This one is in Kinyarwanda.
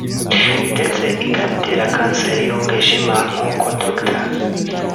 ndetse ikaba itera kanseri y’umwijima; nk’uko Dr